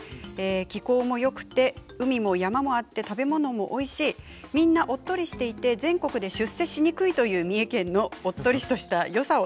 気候もよくて、海も山もあって食べ物もおいしいみんなをおっとりしていて全国で出世しにくい、三重県のおっとりとしたよさを